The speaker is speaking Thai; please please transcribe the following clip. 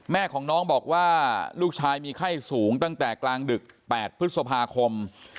แม่ของน้องบอกว่าลูกชายมีไข้สูงตั้งแต่กลางดึก๘พฤษภาคม